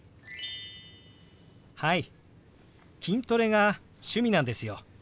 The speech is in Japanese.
はい筋トレが趣味なんですよ。